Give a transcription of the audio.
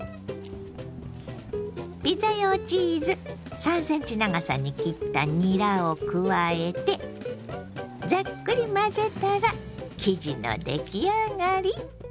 ピザ用チーズ３ｃｍ長さに切ったにらを加えてざっくり混ぜたら生地の出来上がり。